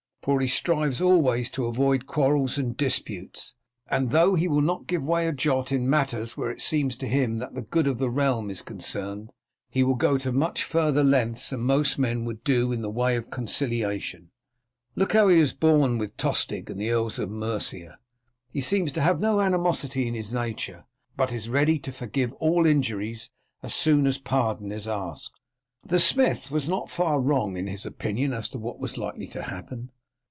For he strives always to avoid quarrels and disputes, and though he will not give way a jot in matters where it seems to him that the good of the realm is concerned, he will go much farther lengths than most men would do in the way of conciliation. Look how he has borne with Tostig and with the Earls of Mercia. He seems to have no animosity in his nature, but is ready to forgive all injuries as soon as pardon is asked." The smith was not far wrong in his opinion as to what was likely to happen.